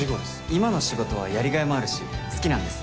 今の仕事はやりがいもあるし好きなんです。